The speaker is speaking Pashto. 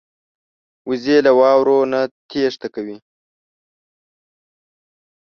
وزې له واورو نه تېښته کوي